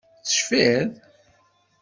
Tecfiḍ?